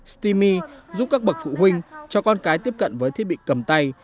steami giúp các bậc phụ huynh cho con cái tiếp cận với thiết bị cầm tay